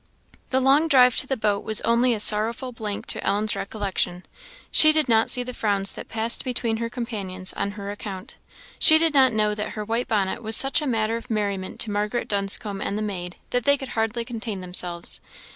The long drive to the boat was only a sorrowful blank to Ellen's recollection. She did not see the frowns that passed between her companions on her account. She did not know that her white bonnet was such a matter of merriment to Margaret Dunscombe and the maid, that they could hardly contain themselves.